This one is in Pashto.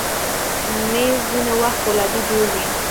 مېز ځینې وخت فولادي جوړ وي.